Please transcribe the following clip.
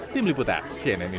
tim liputan cnn indonesia